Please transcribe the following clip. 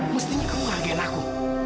mestinya kamu hargai aku